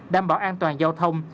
đảm bảo an toàn giao thông